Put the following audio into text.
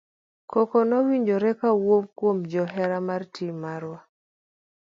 Koko nowinjore kawuok kuom johera mar tim marwa.